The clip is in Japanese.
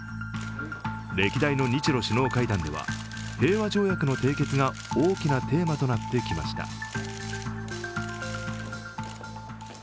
歴代の日ロ首脳会談では平和条約の締結が大きなテーマとなってきました。